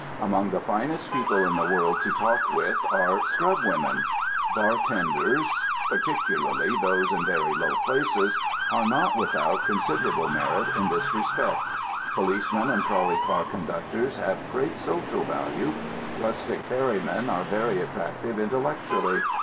Among the finest people in the world to talk with are scrubwomen. Bartenders, particularly those in very low places, are not without considerable merit in this respect. Policemen and trolley car conductors have great social value. Rustic ferry men are very attractive intellectually.